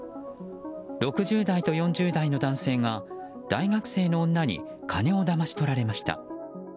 ６０代と４０代の男性が大学生の女に金をだまし取られました。